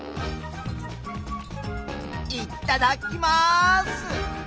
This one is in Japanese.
いっただっきます！